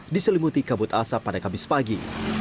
diselimuti kabut asap pada kamis pagi